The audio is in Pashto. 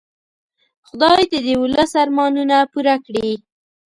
خدای دې د ولس ارمانونه پوره کړي.